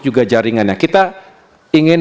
juga jaringannya kita ingin